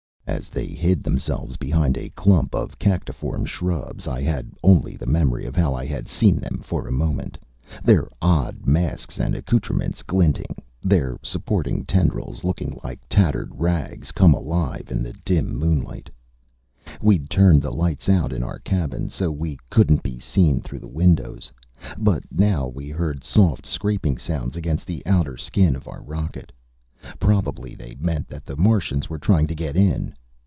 As they hid themselves behind a clump of cactiform shrubs, I had only the memory of how I had seen them for a moment, their odd masks and accoutrements glinting, their supporting tendrils looking like tattered rags come alive in the dim moonlight. We'd turned the light out in our cabin, so we couldn't be seen through the windows. But now we heard soft, scraping sounds against the outer skin of our rocket. Probably they meant that the Martians were trying to get in.